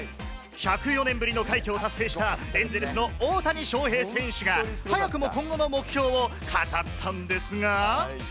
１０４年ぶりの快挙を達成した、エンゼルスの大谷翔平選手が早くも今後の目標を語ったんですが。